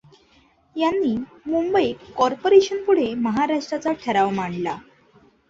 यांनी मुंबई कॉपोर्रेशनपुढे महाराष्ट्राचा ठराव मांडला.